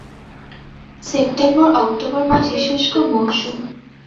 সেপ্টেম্বর-অক্টোবর মাসে শুষ্ক মৌসুম।